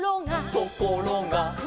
「ところが」